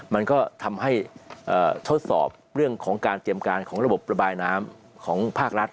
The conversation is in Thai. มันก็ทำให้ทดสอบเรื่องของการเตรียมการของระบบระบายน้ำของภาครัฐ